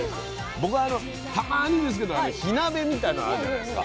僕たまにですけど火鍋みたいなのあるじゃないですか。